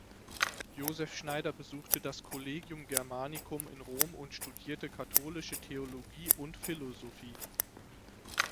Josef Schneider besuchte das Collegium Germanicum in Rom und studierte Katholische Theologie und Philosophie.